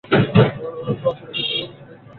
তো, আসলে কয়েকদিন আমি একটু ছুটি নেবো।